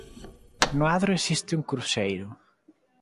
No adro existe un cruceiro.